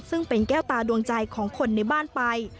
ซึ่งเป็นแก้วตาดวงใจของคนในบ้านไป